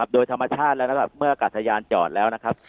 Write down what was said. โดยธรรมชาติและเมื่ออากาศยานจอดแล้วนะครับ